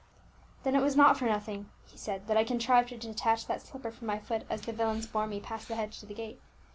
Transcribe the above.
"Then it was not for nothing," he said, "that I contrived to detach that slipper from my foot as the villains bore me past the hedge to the gate.